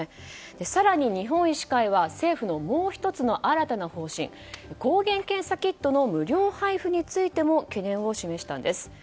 更に日本医師会は政府のもう１つの新たな方針抗原検査キットの無料配布についても懸念を示したんです。